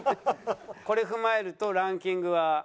これ踏まえるとランキングは？